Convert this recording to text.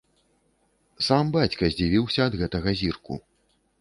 Сам бацька здзівіўся ад гэтага зірку.